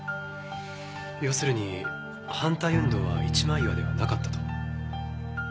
要するに反対運動は一枚岩ではなかったと。